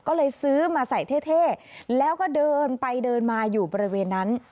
ก็เลยซื้อมาใส่เท่แล้วก็เดินไปเดินมาอยู่บริเวณนั้น